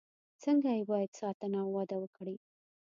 څنګه یې باید ساتنه او وده وکړي.